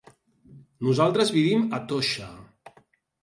Nosaltres vivim a Toixa.